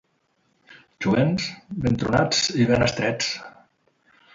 Jovents, ben tronats i ben estrets.